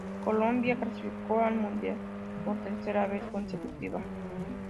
Colombia clasificó al Mundial por tercera vez consecutiva.